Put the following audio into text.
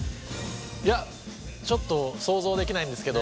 いやちょっと想像できないんですけど。